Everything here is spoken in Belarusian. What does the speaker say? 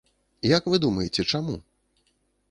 Як вы думаеце, чаму?